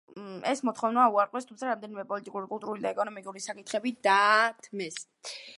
ეს მოთხოვნა უარყვეს, თუმცა რამდენიმე პოლიტიკური, კულტურული და ეკონომიკური საკითხი დათმეს.